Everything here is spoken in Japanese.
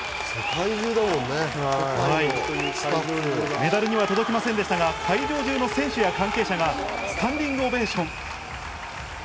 メダルには届きませんでしたが会場中の選手や関係者がスタンディングオベーション。